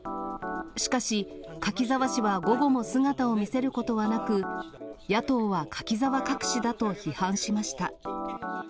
しかし、柿沢氏は午後も姿を見せることはなく、野党は柿沢隠しだと批判しました。